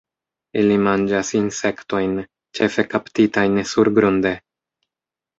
Ili manĝas insektojn, ĉefe kaptitajn surgrunde.